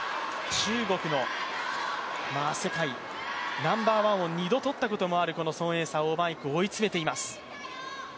中国の、世界ナンバーワンを２度取ったことのある孫エイ莎、王曼イクを追い詰めています。